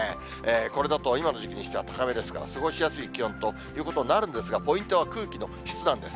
これだと、今の時期にしては高めですから、過ごしやすい気温ということになるんですが、ポイントは空気の質なんです。